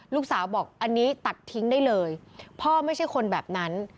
ลูกสาวบอกอันนี้ตัดทิ้งได้เลยพ่อไม่ใช่คนแบบนั้น